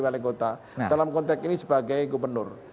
wali kota dalam konteks ini sebagai gubernur